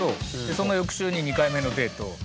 その翌週に２回目のデート。